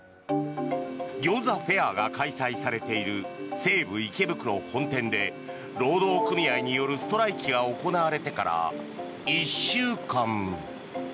ギョーザフェアが開催されている西武池袋本店で労働組合によるストライキが行われてから１週間。